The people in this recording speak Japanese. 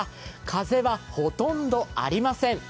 風はほとんどありません。